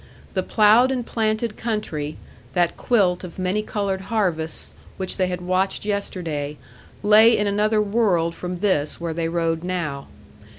The ploughed and planted country, that quilt of many colored harvests which they had watched yesterday, lay in another world from this where they rode now.